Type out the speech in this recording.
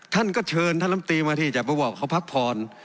ท่านก็เชิญท่านรัฐมนตรีมาที่จัดประวัติเขาพักผ่อน